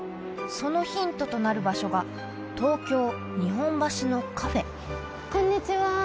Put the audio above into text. そのヒントとなる場所が東京日本橋のカフェこんにちは